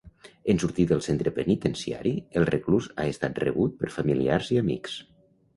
En sortir del centre penitenciari, el reclús ha estat rebut per familiars i amics.